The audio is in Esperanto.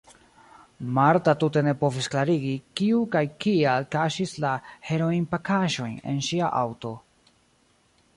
Marta tute ne povis klarigi, kiu kaj kial kaŝis la heroinpakaĵojn en ŝia aŭto.